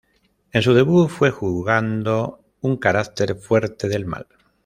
En su debut fue jugando un carácter fuerte del mal.